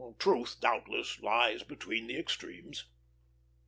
Truth, doubtless, lies between the extremes.